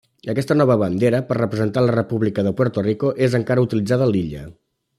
Aquesta nova bandera, per representar la República de Puerto Rico, és encara utilitzada a l'illa.